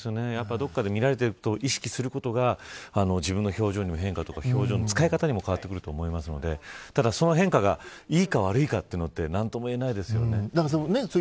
どこかで見られると意識することが自分の表情の変化とか表情の使い方も違ってくると思いますのでその変化が、いいか悪いかは何とも言えないですね。